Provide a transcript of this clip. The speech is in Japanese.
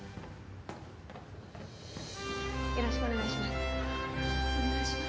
よろしくお願いします